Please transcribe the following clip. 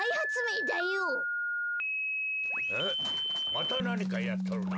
またなにかやっとるな。